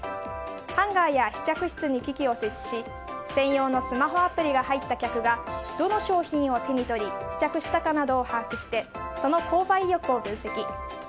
ハンガーや試着室に機器を設置し専用のスマホアプリが入った客がどの商品を手に取り試着したかなどを把握してその購買意欲を分析。